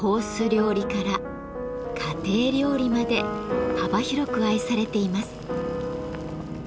料理から家庭料理まで幅広く愛されています。